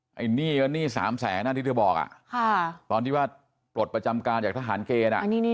โอ้โหไอ้หนี้หนี้๓๐๐๐๐๐บาทนั่นที่เธอบอกอะตอนที่ว่าปลดประจำการจากทหารเกณฑ์อะ